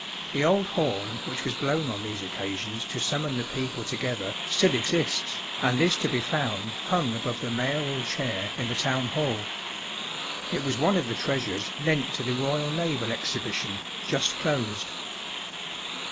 The old horn which was blown on these occa¬ sions to summon the people together still exists, and is to be found hung above the Mayoral Chair in the Town Hall; it was HSpjloI one °f the treasures lent to the " r Royal Naval Exhibition just closed.